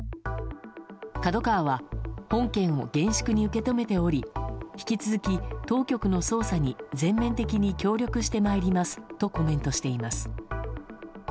ＫＡＤＯＫＡＷＡは本件を厳粛に受け止めており引き続き当局の捜査に全面的に協力してまいりますとコメントしています。